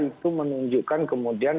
itu menunjukkan kemudian